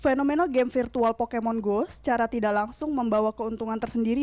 fenomena game virtual pokemon go secara tidak langsung membawa keuntungan tersendiri